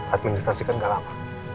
administrasi kan gak lama